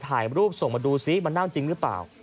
ถ่ายรูปส่งมาดูซิมานั่งจริงหรือเปล่า